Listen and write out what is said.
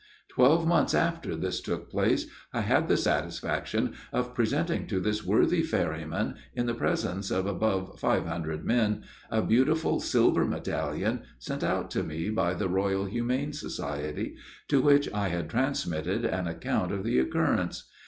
Twelve months after this took place, I had the satisfaction of presenting to this worthy ferryman, in the presence of above five hundred men, a beautiful silver medallion, sent out to me by the Royal Humane Society to which I had transmitted an account of the occurrence.